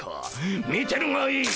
見てるがいい！